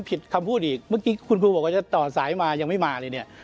ผิดคำพูดอีกเมื่อกี้คุณครูบอกว่าจะต่อสายมายังไม่มาเลยเนี่ย